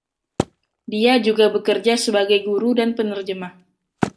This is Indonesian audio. Dia juga bekerja sebagai guru dan penerjemah.